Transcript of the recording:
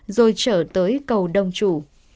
rồi trở tới cầu đông chủ